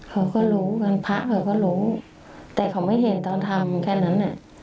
เขาก็รู้เงินพระเขาก็รู้แต่เขาไม่เห็นตอนทำแค่นั้นน่ะ